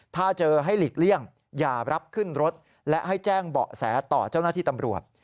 ถ้าเจอให้หลีกเลี่ยงอย่ารับขึ้นรถและให้แจ้งเบาะแสต่อเจ้าหน้าที่ตำรวจ